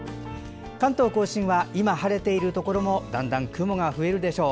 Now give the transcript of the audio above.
関東・甲信は今晴れているところも次第に雲が増えるでしょう。